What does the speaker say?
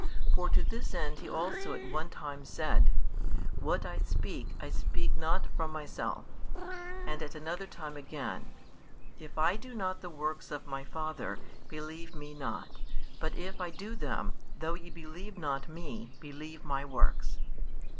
For to this end He also at one time said: What I speak, I speak not from Myself; and at another time again: If I do not the works of My Father, believe Me not. But if I do them, though ye believe not Me, believe My works.